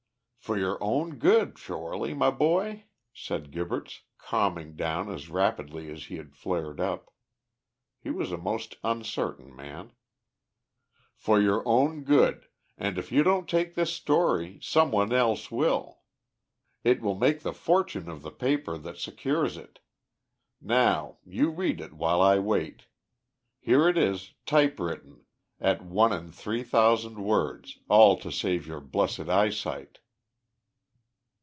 "For your own good, Shorely, my boy," said Gibberts, calming down as rapidly as he had flared up. He was a most uncertain man. "For your own good, and if you don't take this story, some one else will. It will make the fortune of the paper that secures it. Now, you read it while I wait. Here it is, typewritten, at one and three a thousand words, all to save your blessed eyesight."